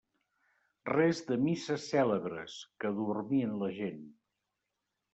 Res de misses cèlebres, que adormien la gent.